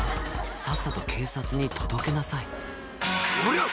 さっさと警察に届けなさい「おりゃ！